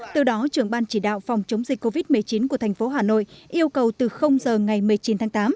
từ đó trưởng ban chỉ đạo phòng chống dịch covid một mươi chín của thành phố hà nội yêu cầu từ giờ ngày một mươi chín tháng tám